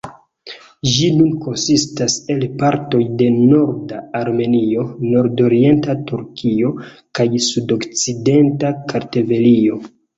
Ĝi nun konsistas el partoj de norda Armenio, nordorienta Turkio, kaj sudokcidenta Kartvelio.